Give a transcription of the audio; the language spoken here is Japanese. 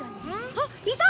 あっいた！